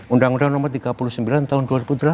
undang undang nomor tiga puluh sembilan tahun dua ribu delapan